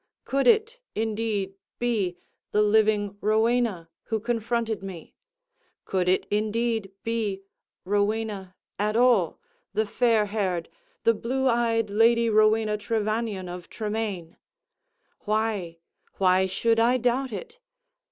Could it, indeed, be the living Rowena who confronted me? Could it indeed be Rowena at all—the fair haired, the blue eyed Lady Rowena Trevanion of Tremaine? Why, why should I doubt it?